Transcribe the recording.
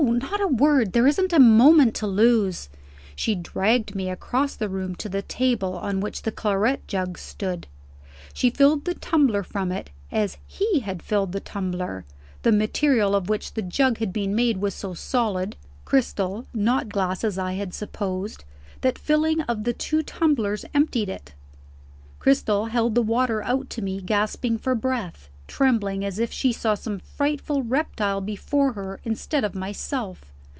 not a word. There isn't a moment to lose." She dragged me across the room to the table on which the claret jug stood. She filled the tumbler from it, as he had filled the tumbler. The material of which the jug had been made was so solid (crystal, not glass as I had supposed) that the filling of the two tumblers emptied it. Cristel held the water out to me, gasping for breath, trembling as if she saw some frightful reptile before her instead of myself.